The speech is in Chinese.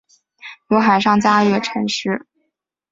有海上嘉月尘诗。